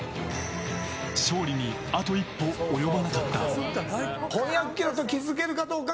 勝利にあと一歩及ばなかった。